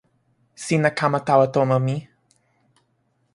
sina kama tawa tomo mi.